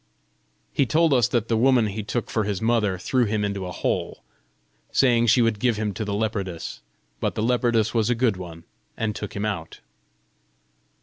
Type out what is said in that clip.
He told us that the woman he took for his mother threw him into a hole, saying she would give him to the leopardess. But the leopardess was a good one, and took him out.